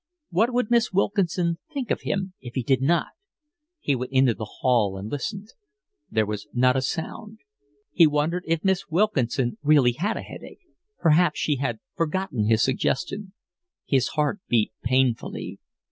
What would Miss Wilkinson think of him if he did not! He went into the hall and listened. There was not a sound. He wondered if Miss Wilkinson really had a headache. Perhaps she had forgotten his suggestion. His heart beat painfully.